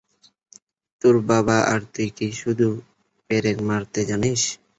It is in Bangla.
তোর বাবা আর তুই কি শুধু পেরেক মারতে জানিস?